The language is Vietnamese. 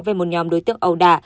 về một nhóm đối tượng ẩu đả